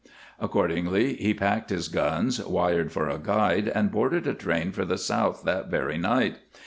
Accordingly, he packed his guns, wired for a guide, and boarded a train for the South that very night.